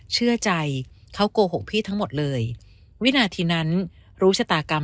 เชื่อใจเขาโกหกพี่ทั้งหมดเลยวินาทีนั้นรู้ชะตากรรม